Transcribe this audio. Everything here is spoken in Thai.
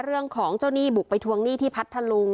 เรื่องของเจ้าหนี้บุกไปทวงหนี้ที่พัทธลุง